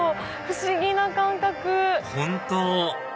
不思議な感覚！本当！